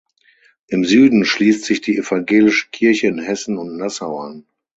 Im Süden schließt sich die Evangelische Kirche in Hessen und Nassau an.